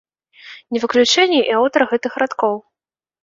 Не выключэнне і аўтар гэтых радкоў.